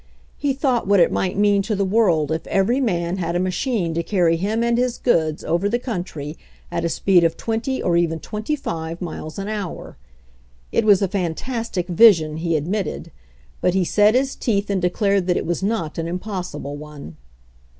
He thought what it might mean to the world if every man had a machine to carry him and his goods over the country at a speed of twenty or even twenty five miles an hour. It was a fantastic vision, he admitted, but he set his teeth and de clared that it was not an impossible one.